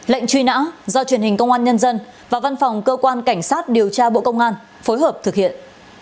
lệnh truy nã do truyền hình công an nhân dân và văn phòng cơ quan cảnh sát điều tra bộ công an phối hợp thực hiện